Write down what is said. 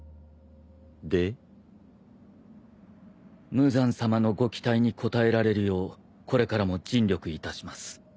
無惨さまのご期待に応えられるようこれからも尽力いたします。